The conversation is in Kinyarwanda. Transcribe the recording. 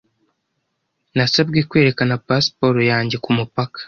Nasabwe kwerekana pasiporo yanjye kumupaka.